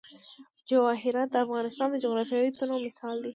جواهرات د افغانستان د جغرافیوي تنوع مثال دی.